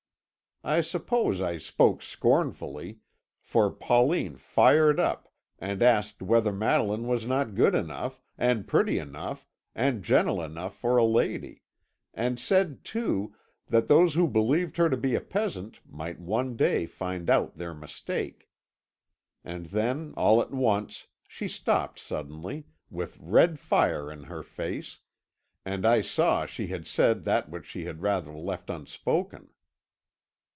I suppose I spoke scornfully, for Pauline fired up, and asked whether Madeline was not good enough, and pretty enough, and gentle enough for a lady; and said, too, that those who believed her to be a peasant might one day find out their mistake. And then all at once she stopped suddenly, with red fire in her face, and I saw she had said that which she had rather left unspoken."